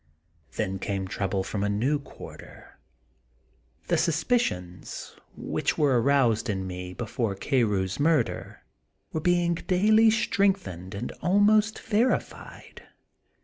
Then came trouble from a new quarter. The suspicions which were aroused in me, before Carew's murder, were being daily strengthened and almost verified.